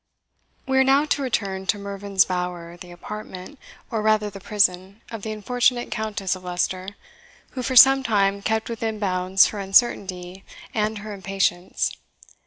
We are now to return to Mervyn's Bower, the apartment, or rather the prison, of the unfortunate Countess of Leicester, who for some time kept within bounds her uncertainty and her impatience.